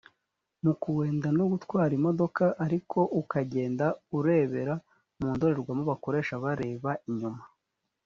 mu kuenda no gutwara imodoka ariko ukagenda urebera mu ndorerwamo bakoresha bareba inyuma